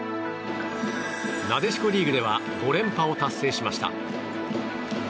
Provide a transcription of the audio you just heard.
なでしこリーグでは５連覇を達成しました。